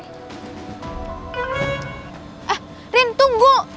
eh rin tunggu